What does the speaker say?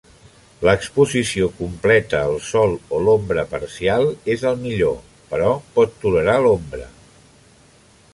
L'exposició completa al Sol o l'ombra parcial és el millor, però pot tolerar l'ombra.